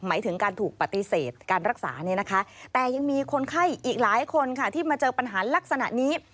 หมายถึงการถูกปฏิเสธการรักษาเนี่ยนะคะแต่ยังมีคนไข้อีกหลายคนค่ะที่มาเจอปัญหาลักษณะนี้